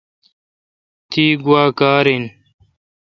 تی گوا کار این۔